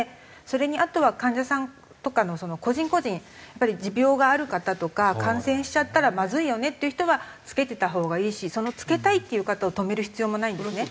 それにあとは患者さんとかの個人個人やっぱり持病がある方とか感染しちゃったらまずいよねっていう人は着けてたほうがいいしその着けたいっていう方を止める必要もないんですね。